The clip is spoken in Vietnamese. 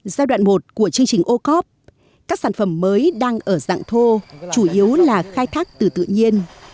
giai đoạn một của chương trình o cop các sản phẩm mới đang ở dạng thô chủ yếu là khai thác từ tự nhiên